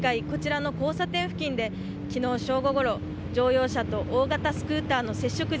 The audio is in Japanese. こちらの交差点付近で昨日正午ごろ乗用車と大型スクーターの接触